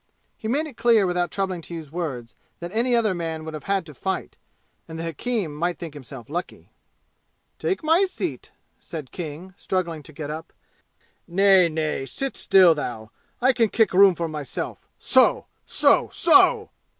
He made it clear without troubling to use words that any other man would have had to fight, and the hakim might think himself lucky. "Take my seat," said King, struggling to get up. "Nay, nay sit still, thou. I can kick room for myself. So! So! So!"